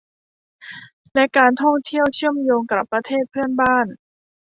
และการท่องเที่ยวเชื่อมโยงกับประเทศเพื่อนบ้าน